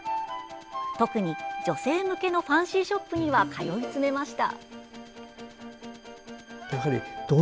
特に、女性向けのファンシーショップには通い詰めました。